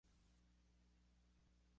Es una adaptación de la telenovela "Señora".